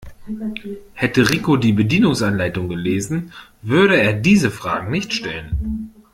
Hätte Rico die Bedienungsanleitung gelesen, würde er diese Fragen nicht stellen.